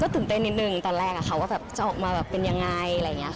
ก็ตื่นเต้นนิดนึงตอนแรกค่ะว่าจะออกมาเป็นยังไง